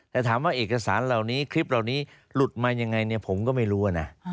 แต่ถามว่าเอกสารเหล่านี้คลิปเหล่านี้หลุดมายังไงเนี่ยผมก็ไม่รู้นะ